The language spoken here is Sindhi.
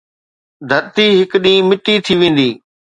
ڌرتي هڪ ڏينهن مٽي ٿي ويندي